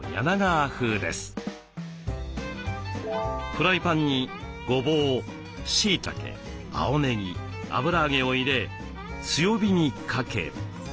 フライパンにごぼうしいたけ青ねぎ油揚げを入れ強火にかけ。